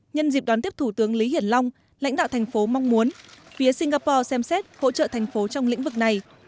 nhân dịp đón tiếp thủ tướng lý hiển long lãnh đạo thành phố mong muốn phía singapore xem xét hỗ trợ thành phố trong lĩnh vực này